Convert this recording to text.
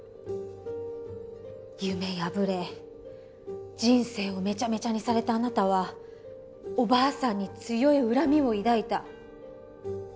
夢破れ人生をメチャメチャにされたあなたはおばあさんに強い恨みを抱いた。